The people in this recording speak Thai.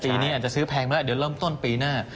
ปีนี้อาจจะซื้อแพงไปแล้วเดี๋ยวเริ่มต้นปีหน้า